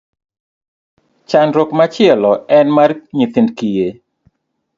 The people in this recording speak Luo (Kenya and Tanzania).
Chandruok machielo en mar nyithind kiye.